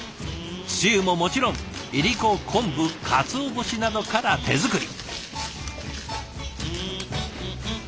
つゆももちろんいりこ昆布かつお節などから手作り。